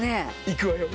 行くわよ！